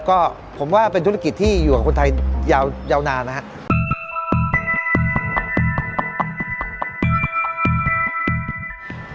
ก็ผมว่าเป็นธุรกิจที่อยู่กับคนไทยยาวนานนะครับ